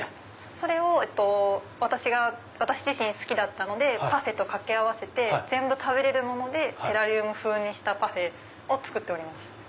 それを私自身好きだったのでパフェと掛け合わせて食べ物でテラリウム風にしたパフェを作っております。